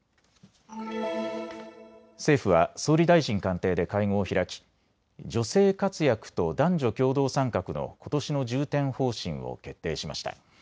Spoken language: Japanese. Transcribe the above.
政府は総理大臣官邸で会合を開き女性活躍と男女共同参画のことしの重点方針を決定しました。